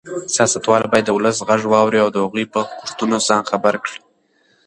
سیاستوال باید د ولس غږ واوري او د هغوی په غوښتنو ځان خبر کړي.